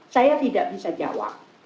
saya tidak bisa jawab